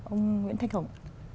ông nguyễn thanh hồng